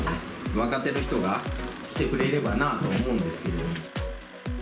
若手の人が来てくれればなと思うんですけれども。